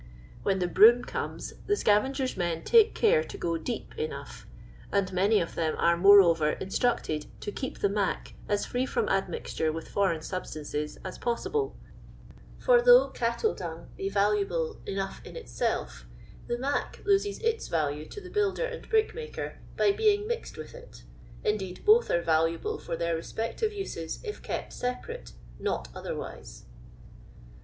When the hivcm comas, the scavenger's men take care to go deep enough ; and many of them are, moreover, instructed to keep the 'mac' as tree firam admlalore with foreign anbstanoes as possible ; for, though cattle dung be valuable enough in itself the ' mac' loses its value to the builder and brickmaker by being Mixed with it. Indeed, lx»th are valuable fur their respective uses if kept separate, net other wise."